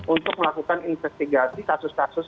untuk melakukan investigasi kasus kasus